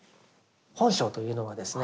本性というのはですね